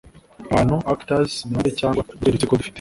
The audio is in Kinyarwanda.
Abantu Actors ni bande cyangwa ni utuhe dutsiko dufite